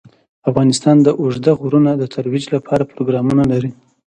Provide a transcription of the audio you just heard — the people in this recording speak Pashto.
افغانستان د اوږده غرونه د ترویج لپاره پروګرامونه لري.